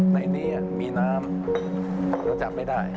ในนี้มีน้ำเราจับไม่ได้